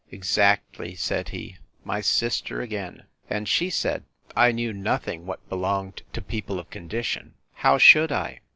Exactly, said he, my sister again. And she said, I knew nothing what belonged to people of condition; how should I?